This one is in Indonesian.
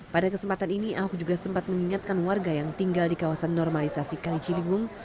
pada kesempatan ini ahok juga sempat mengingatkan warga yang tinggal di kawasan normalisasi kali ciliwung